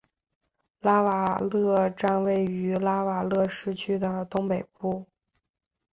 拉瓦勒站位于拉瓦勒市区的东北部。